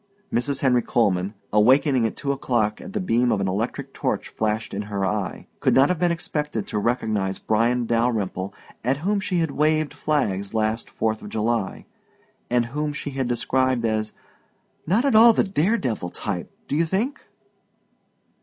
Mrs. Henry Coleman, awaking at two o'clock at the beam of an electric torch flashed in her eye, could not have been expected to recognize Bryan Dalyrimple at whom she had waved flags last Fourth of July, and whom she had described as "not at all the daredevil type, do you think?"